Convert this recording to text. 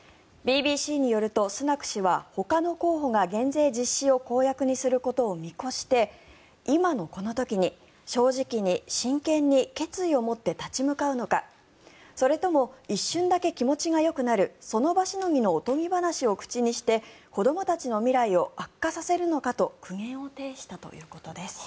ＢＢＣによるとスナク氏はほかの候補が減税実施を公約にすることを見越して今のこの時に正直に真剣に決意を持って立ち向かうのかそれとも一瞬だけ気持ちがよくなるその場しのぎのおとぎ話を口にして子どもたちの未来を悪化させるのかと苦言を呈したということです。